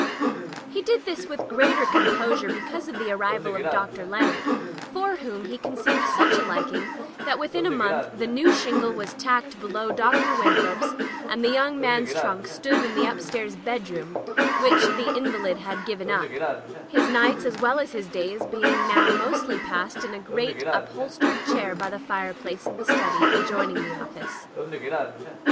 He did this with greater composure be cause of the arrival of Dr. Leonard, for whom he conceived such liking that within a month the new shingle was tacked below Dr. Winthrop's, and the young man's trunk stood in the upstairs bedroom which the in valid had given up, his nights as well as his days being now mostly passed in a great up holstered chair by the fireplace of the study adjoining the office.